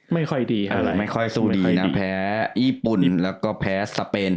ไม่ค่อยดีอะไรไม่ค่อยสู้ดีนะแพ้ญี่ปุ่นแล้วก็แพ้สเปน